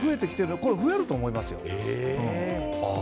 これは増えると思いますよ。